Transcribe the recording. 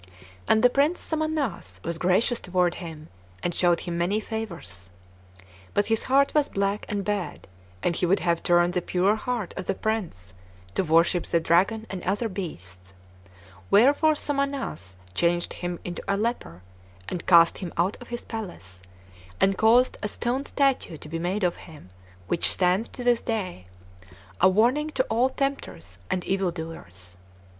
And the Prince Somannass was gracious toward him, and showed him many favors. But his heart was black and bad, and he would have turned the pure heart of the prince to worship the dragon and other beasts; wherefore Somannass changed him into a leper, and cast him out of his palace, and caused a stone statue to be made of him, which stands to this day, a warning to all tempters and evil doers.